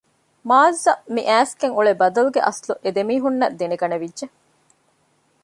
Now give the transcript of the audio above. މާޒްއަށް މި އައިސްގެން އުޅޭ ބަދަލުގެ އަސްލު އެދެމީހުންނަށް ދެނެގަނެވިއްޖެ